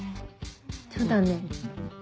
そうだね。